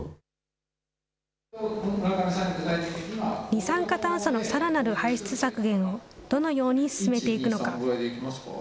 二酸化炭素のさらなる排出削減をどのように進めていくのか。